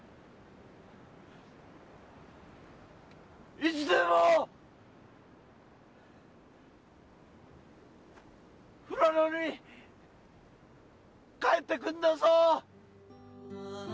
いつでも富良野に帰ってくんだぞ！